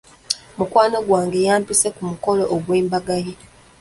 Mukwano gwange yampise ku mukolo gw'embaga ye.